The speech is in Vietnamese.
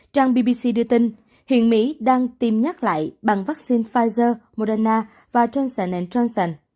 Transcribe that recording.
trang bbc đưa tin hiện mỹ đang tiêm nhắc lại bằng vaccine pfizer moderna và johnson johnson